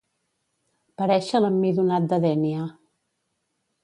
Parèixer l'emmidonat de Dénia.